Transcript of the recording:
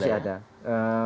tetapi kecil mungkin ya